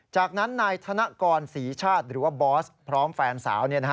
จากนั้นนายธนกรศรีชาติหรือว่าบอสพร้อมแฟนสาว